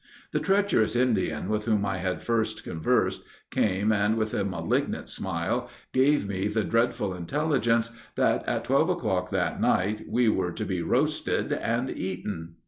The treacherous Indian with whom I had first conversed came, and with a malignant smile, gave me the dreadful intelligence that, at twelve o'clock that night, we were to be roasted and eaten.